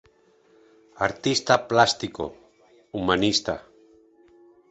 Artista plástico, humanista.